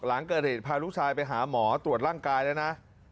หลังเกิดเหตุพาลูกชายไปหาหมอตรวจร่างกายแล้วนะ